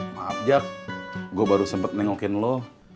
maaf jack gue baru sempat nengokin lo